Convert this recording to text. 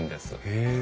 へえ。